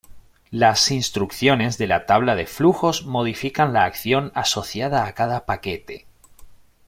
Las instrucciones de la tabla de flujos modifican la acción asociada a cada paquete.